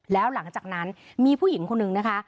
แล้วหลังจากนั้นมีผู้หญิงคนนึงนะคะ